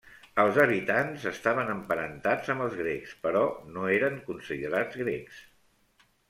Els habitants estaven emparentats amb els grecs però no eren considerats grecs.